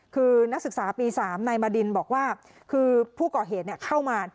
คือนักศึกษาปีสามในมาดินบอกว่าคือผู้ก่อเหตุเนี้ยเข้ามา